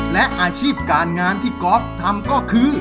และอาชีพการงานที่กอล์ฟทำก็คือ